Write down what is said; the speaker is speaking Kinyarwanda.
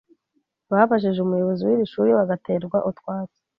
Babajije umuyobozi w’iri shuri bagaterwa utwatsi